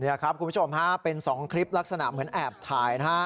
นี่ครับคุณผู้ชมฮะเป็น๒คลิปลักษณะเหมือนแอบถ่ายนะฮะ